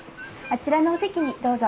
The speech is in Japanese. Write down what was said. あちらのお席にどうぞ。